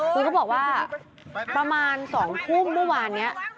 คือเขาบอกว่าประมาณ๒ทุ่มเมื่อวานนี้